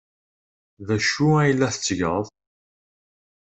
D acu ay la tettgeḍ?